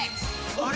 あれ？